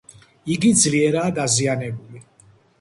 იგი ძლიერაა დაზიანებული.